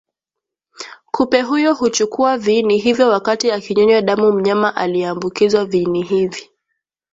Kupe huyo huchukua viini hivyo wakati akinyonya damu mnyama aliyeambukizwa Viini hivi